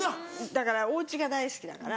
だからおうちが大好きだから。